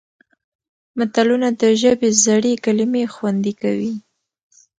متلونه د ژبې زړې کلمې خوندي کوي